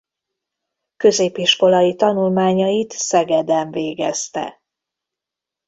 Középiskolai tanulmányait Szegeden végezte.